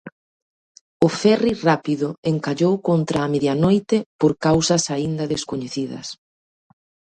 O ferri rápido encallou contra a medianoite por causas aínda descoñecidas.